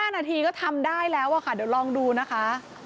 ๕นาทีก็ทำได้แล้วค่ะเดี๋ยวลองดูนะคะ